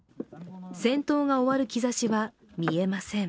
戦闘が終わる兆しは見えません。